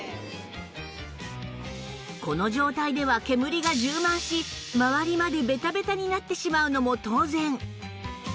この状態では煙が充満し周りまでベタベタになってしまうのも当然